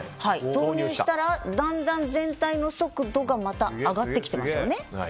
投入したら、だんだん全体の速度がまた上がってきていますよね。